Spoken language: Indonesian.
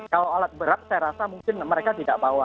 kalau alat berat saya rasa mungkin mereka tidak bawa